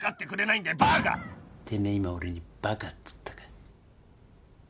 てめえ今俺にバカっつったか？